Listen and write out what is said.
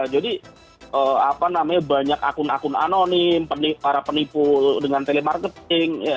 jadi apa namanya banyak akun akun anonim para penipu dengan telemarketing